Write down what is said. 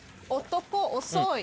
「男遅い」？